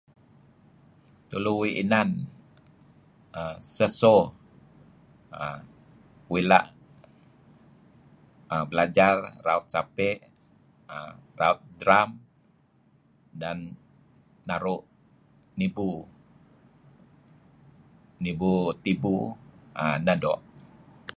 Tulu uih inan seh so uih la' belajar raut sape' err raut drum, dan naru' nibu tibu err neh doo'.